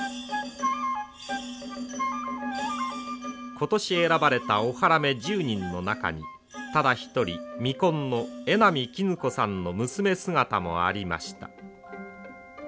今年選ばれた大原女１０人の中にただ一人未婚の榎並衣子さんの娘姿もありました。